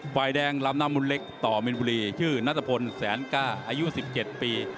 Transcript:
ฝ่ายแดงลำน้ำมุนเล็กต่อมินบุรีชื่อนัทพลแสนกล้าอายุ๑๗ปี